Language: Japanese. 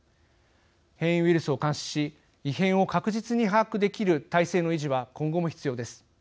変異ウイルスを監視し異変を確実に把握できる体制の維持は今後も必要です。